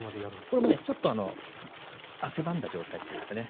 それもねちょっと汗ばんだ状態というんですかね